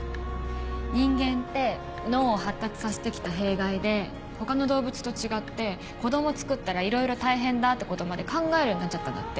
人間って脳を発達させて来た弊害で他の動物と違って子供つくったらいろいろ大変だってことまで考えるようになっちゃったんだって。